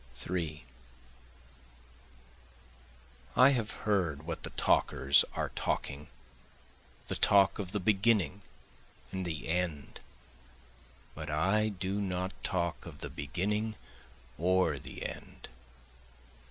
3 I have heard what the talkers were talking, the talk of the beginning and the end, But I do not talk of the beginning or the end.